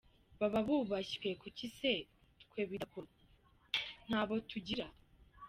Bba bubashywe, kuki se twe bidakorwa? Ntabo tugira ?.